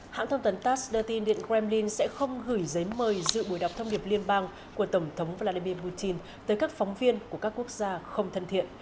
hãng thông tấn tass đưa tin điện kremlin sẽ không gửi giấy mời dự buổi đọc thông điệp liên bang của tổng thống vladimir putin tới các phóng viên của các quốc gia không thân thiện